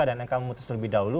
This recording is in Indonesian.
dan mk memutus lebih dahulu